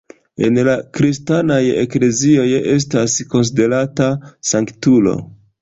En la kristanaj eklezioj estas konsiderata sanktulo.